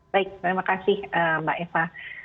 baik terima kasih mbak eva